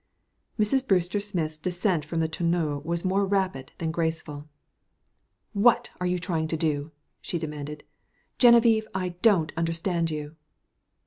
Mrs. Brewster Smith's descent from the tonneau was more rapid than graceful. "What are you trying to do?" she demanded. "Geneviève, I don't understand you."